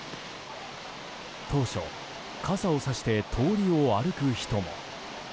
当初、傘をさして通りを歩く人も。